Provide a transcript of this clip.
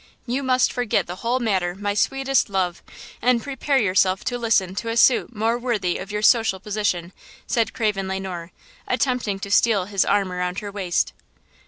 You must forget the whole matter, my sweetest love, and prepare yourself to listen to a suit more worthy of your social position," said Craven Le Noir, attempting to steal his arm around her waist.